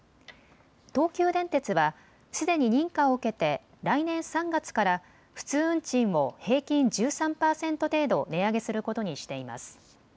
東急電鉄はすでに認可を受けて来年３月から普通運賃を平均１３％程度値上げすることにしています。